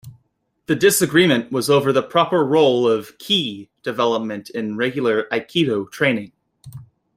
The disagreement was over the proper role of "ki" development in regular aikido training.